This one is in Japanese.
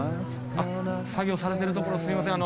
作業されてるところすいません。